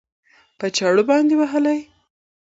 په چاړو باندې وهلى؟